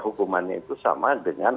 hukumannya itu sama dengan